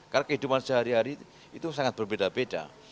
karena kehidupan sehari hari itu sangat berbeda beda